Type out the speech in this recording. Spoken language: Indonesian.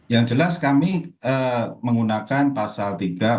yang jelas kami menggunakan pasal tiga ratus empat puluh